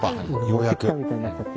ようやく。